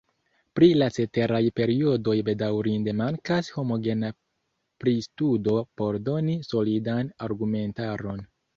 Pri la ceteraj periodoj bedaŭrinde mankas homogena pristudo por doni solidan argumentaron.